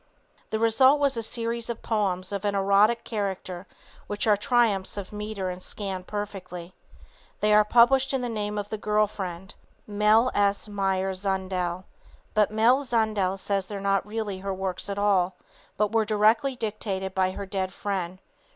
The result was a series of poems of an exoteric character which are triumphs of meter and scan perfectly. They are published in the name of the girl friend, Mlle. S. Meyer Zundel, but Mlle. Zundel says they're not really her works at all, but were directly dictated by her dead friend.